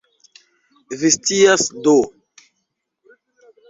Vi scias do?